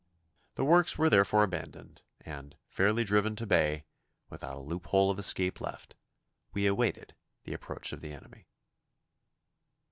The works were therefore abandoned, and, fairly driven to bay, without a loophole of escape left, we awaited the approach of the enemy.